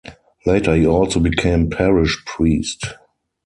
Later he also became parish priest.